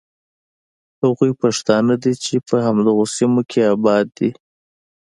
هغوی پښتانه دي چې په همدغو سیمو کې آباد دي.